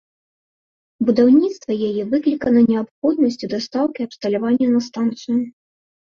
Будаўніцтва яе выклікана неабходнасцю дастаўкі абсталявання на станцыю.